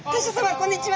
こんにちは！